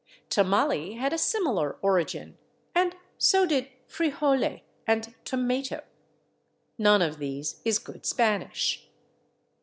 /Tamale/ had a similar origin, and so did /frijole/ and /tomato/. None of these is good Spanish.